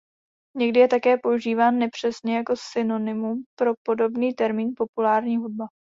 Někdy je také používán nepřesně jako synonymum pro podobný termín populární hudba.